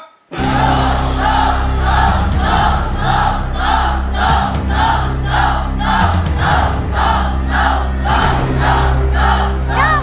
เพลงนี้ที่๕หมื่นบาทแล้วน้องแคน